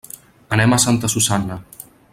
Anem a Santa Susanna.